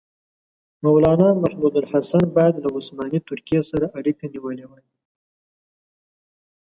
مولنا محمودالحسن باید له عثماني ترکیې سره اړیکه نیولې وای.